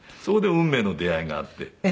そこで運命の出会いがあって。